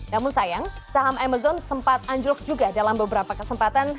namun sayang saham amazon sempat anjlok juga dalam beberapa kesempatan